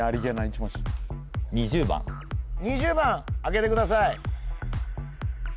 １文字２０番開けてください